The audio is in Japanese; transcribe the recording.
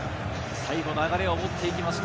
最後、流れを持っていきました。